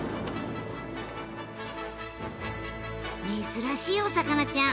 珍しいお魚ちゃん